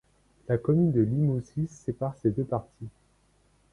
La commune de Limousis sépare ces deux parties.